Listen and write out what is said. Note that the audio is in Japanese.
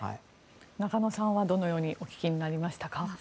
中野さんはどのようにお聞きになりましたか？